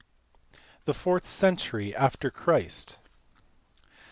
The fourth century after Christ.